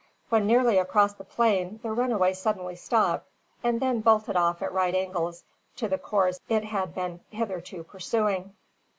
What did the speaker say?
When nearly across the plain, the runaway suddenly stopped and then bolted off at right angles to the course it had been hitherto pursuing.